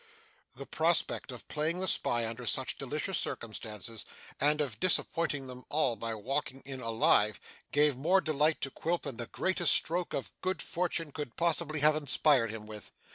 The prospect of playing the spy under such delicious circumstances, and of disappointing them all by walking in alive, gave more delight to Quilp than the greatest stroke of good fortune could possibly have inspired him with.